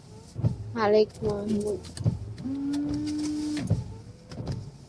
তবে, প্রথম-শ্রেণীর ক্রিকেটে বেশ সাফল্যের মুখ দেখেছেন তিনি।